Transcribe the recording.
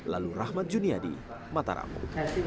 lalu rahmat juniadi mataramu